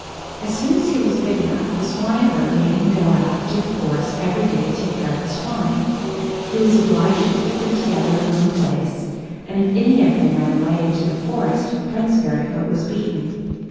As soon as he was big enough, the swineherd made him go out into the forest every day to take care of the swine. He was obliged to keep them together in one place, and if any of them ran away into the forest, Prince Fairyfoot was beaten.